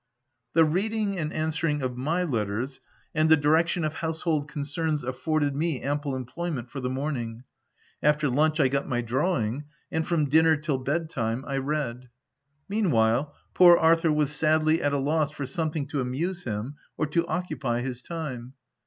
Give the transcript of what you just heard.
The reading and answering of my letters, and the direction of household concerns afforded me ample employment for the morning ; after lunch, I got my drawing, and from dinner till bed time, I read. Meanwhile, poor Arthur was sadly at a loss for something to amuse him or to occupy his time.